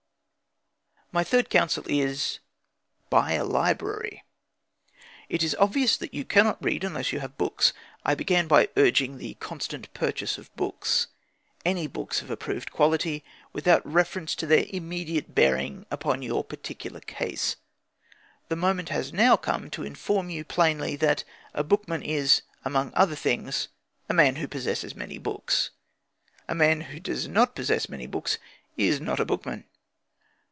My third counsel is: Buy a library. It is obvious that you cannot read unless you have books. I began by urging the constant purchase of books any books of approved quality, without reference to their immediate bearing upon your particular case. The moment has now come to inform you plainly that a bookman is, amongst other things, a man who possesses many books. A man who does not possess many books is not a bookman.